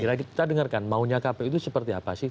kira kira kita dengerkan maunya kpu itu seperti apa sih